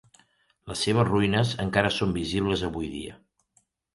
Les seves ruïnes encara són visibles avui dia.